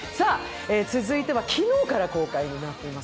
続いては昨日から公開になっています